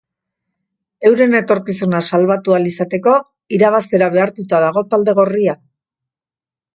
Euren etorkizuna salbatu ahal izateko, irabaztera behartuta dago talde gorria.